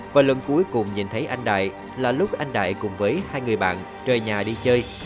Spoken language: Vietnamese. và lần cuối cùng nhìn thấy anh đại là lúc anh đại cùng với hai người bạn trời nhà đi chơi